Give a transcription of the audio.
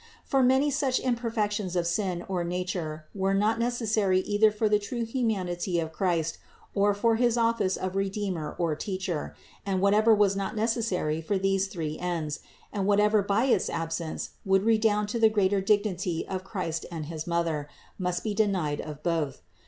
For many such imperfec tions of sin or nature were not necessary either for the true humanity of Christ, or for his office of Redeemer or Teacher ; and whatever was not necessary for these three ends, and whatever by its absence would redound to the greater dignity of Christ and his Mother, must be denied of Both.